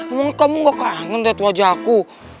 emang kamu gak kangen lihat wajah aku